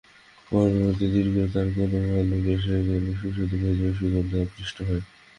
পরবর্তী দিনগুলিতে, আরও অনেক ভালুক এসে গেল, সুস্বাদু ভোজের সুগন্ধে আকৃষ্ট হয়ে।